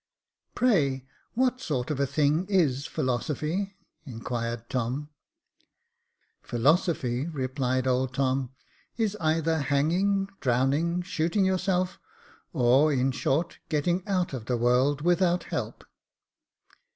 Pray, what sort of a thing is philosophy ?" inquired Tom. Philosophy," replied old Tom, is either hanging, drowning, shooting yourself, or, in short, getting out of the world without help."